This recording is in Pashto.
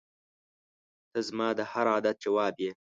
• ته زما د هر دعا جواب یې.